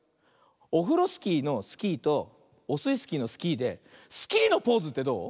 オフロスキーの「スキー」とオスイスキーの「スキー」でスキーのポーズってどう？